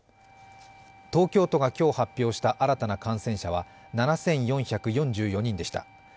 東京都が今日、発表した新たな感染者は７４４４人でした。